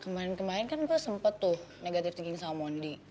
kemarin kemarin kan gue sempet tuh negative thinking sama mondy